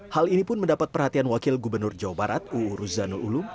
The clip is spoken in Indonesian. hal ini pun mendapat perhatian wakil gubernur jawa barat uu ruzanul ulum